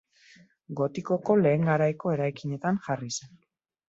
Gotikoko lehen garaiko eraikinetan jarri zen.